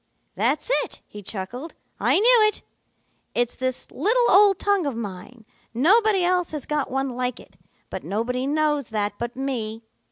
"'That's it,' he chuckled. 'I knew it. It's this little old tongue of mine. Nobody else has got one like it, but nobody knows that but me.